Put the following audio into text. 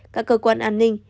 các cơ quan an ninh